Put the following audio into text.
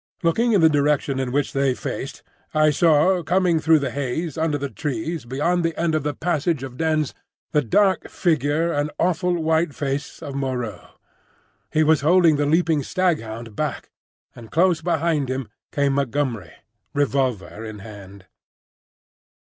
Looking in the direction in which they faced, I saw coming through the haze under the trees beyond the end of the passage of dens the dark figure and awful white face of Moreau. He was holding the leaping staghound back, and close behind him came Montgomery revolver in hand.